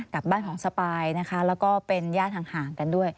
กับบ้านของสปายนะคะแล้วก็เป็นญาติห่างกันด้วย